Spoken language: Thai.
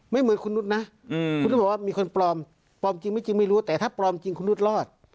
เหมือนคุณนุษย์นะคุณนุษย์บอกว่ามีคนปลอมปลอมจริงไม่จริงไม่รู้แต่ถ้าปลอมจริงคุณนุษย์รอด